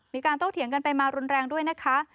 มีกางโต๊ะเถียงกันไปมาระวังแรงด้วยนะคะ